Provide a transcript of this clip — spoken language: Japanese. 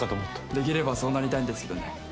できればそうなりたいんですけどね。